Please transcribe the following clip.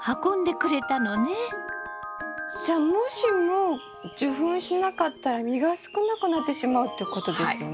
じゃあもしも受粉しなかったら実が少なくなってしまうってことですよね。